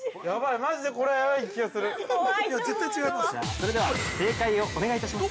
◆それでは、正解をお願いいたします。